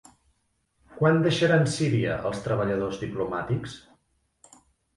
Quan deixaran Síria els treballadors diplomàtics?